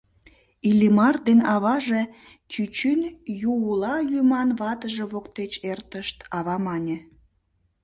Иллимар ден аваже чӱчӱн Юула лӱман ватыже воктеч эртышт, ава мане: